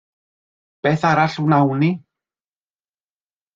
Beth arall wnawn ni?